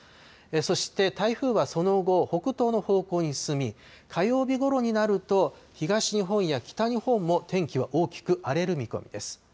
そして、台風はその後、北東の方向に進み、火曜日ごろになると、東日本や北日本も天気は大きく荒れる見込みです。